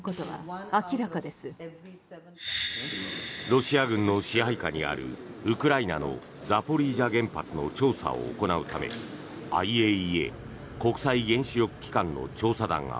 ロシア軍の支配下にあるウクライナのザポリージャ原発の調査を行うためＩＡＥＡ・国際原子力機関の調査団が